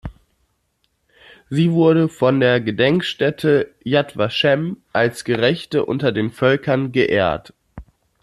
Sie wurde von der Gedenkstätte Yad Vashem als Gerechte unter den Völkern geehrt.